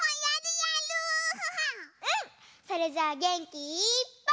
それじゃあげんきいっぱい。